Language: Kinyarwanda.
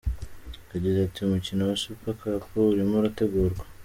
Yagize ati “Umukino wa Super Cup urimo urategurwa.